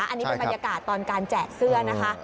อันนี้เป็นบรรยากาศตอนการแจกเสื้อนะคะ